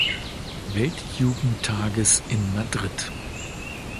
Weltjugendtages in Madrid.